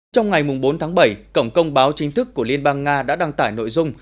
trong ngày bốn tháng bảy cổng công báo chính thức của liên bang nga đã đăng tải nội dung